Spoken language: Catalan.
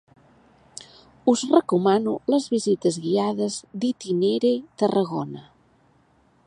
Us recomano les visites guiades d'Itinere Tarragona.